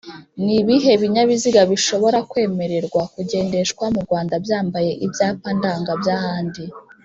ni bihe binyabiziga bishobora kwemererwa kugendeshwa mu Rwanda byambaye Ibyapa ndanga by’ahandi